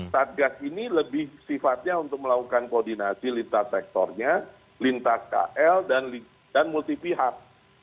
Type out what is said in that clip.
satgas ini lebih sifatnya untuk melakukan koordinasi lintas sektornya lintas kl dan multi pihak